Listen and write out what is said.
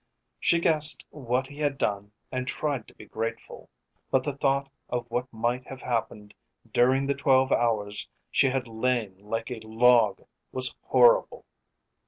She guessed what he had done and tried to be grateful, but the thought of what might have happened during the twelve hours she had lain like a log was horrible.